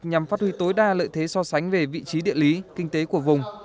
nhằm phát huy tối đa lợi thế so sánh về vị trí địa lý kinh tế của vùng